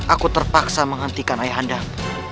aku terpaksa menghentikan ayahandamu